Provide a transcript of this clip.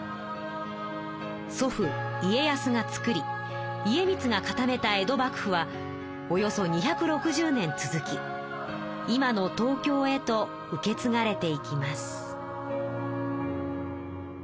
祖父家康がつくり家光が固めた江戸幕府はおよそ２６０年続き今の東京へと受けつがれていきます。